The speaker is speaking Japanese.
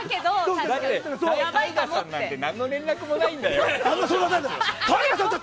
ＴＡＩＧＡさんなんて何の連絡もないんだよ。